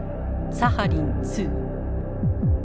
サハリン２。